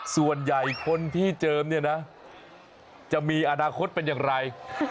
ส่วนใหญ่คนที่เจิมเนี่ยนะจะมีอนาคตเป็นอย่างไร